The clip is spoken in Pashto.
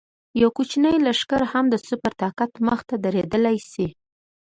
یو کوچنی لښکر هم د سوپر طاقت مخې ته درېدلی شي.